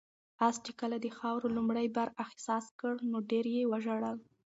آس چې کله د خاورو لومړی بار احساس کړ نو ډېر یې وژړل.